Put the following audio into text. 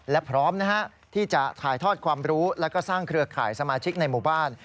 และพร้อมนะฮะที่จะถ่ายทอดความรู้แล้วก็สร้างเครือข่ายสมาชิกในหมู่บ้าน